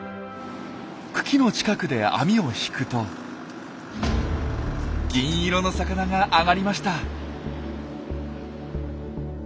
群来の近くで網を引くと銀色の魚があがりました。